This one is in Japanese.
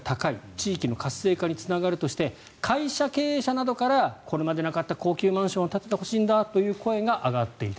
地域の活性化につながるとして会社経営者などからこれまでなかった高級マンションを建ててほしいんだという声が上がっていた。